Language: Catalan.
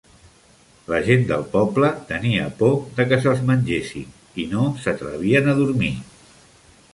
La gent del poble tenia por de que se'ls mengessin i no s'atrevien a dormir.